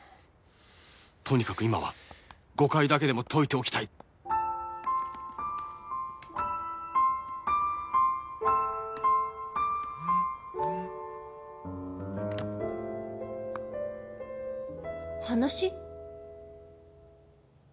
とにかく今は誤解だけでも解いておきたい話？